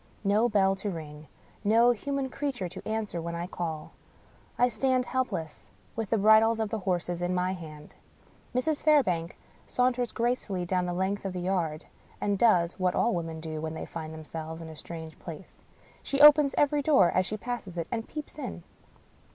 No bell to ring. No human creature to answer when I call. I stand helpless, with the bridles of the horses in my hand. Mrs. Fairbank saunters gracefully down the length of the yard and does — ^what all women do, when they find themselves in a strange place. She opens every door as she passes it, and peeps in.